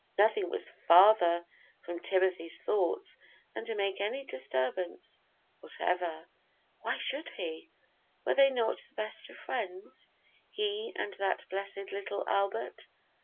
Nothing was farther from Timothy's thoughts than to make any disturbance whatever why should he? Were they not the best of friends, he and that blessed little Albert?